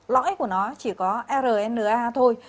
lõi của nó chỉ có rna thôi